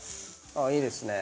いいですね。